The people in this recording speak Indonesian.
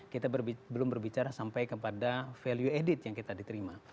kita belum berbicara sampai kepada value added yang kita diterima